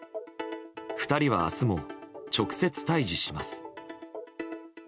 ２人は明日も直接対峙します。